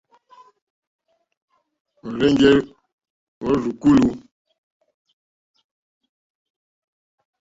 Ó rzènjé rzùkúlù.